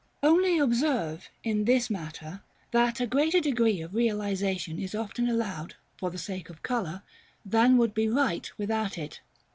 § XXVII. Only observe, in this matter, that a greater degree of realization is often allowed, for the sake of color, than would be right without it.